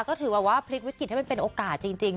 ก็ถือว่าพลิกวิกฤตให้มันเป็นโอกาสจริง